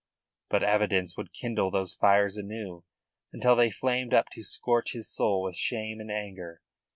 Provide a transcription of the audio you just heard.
But evidence would kindle those fires anew until they flamed up to scorch his soul with shame and anger.